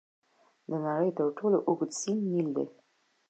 د نړۍ تر ټولو اوږد سیند نیل دی.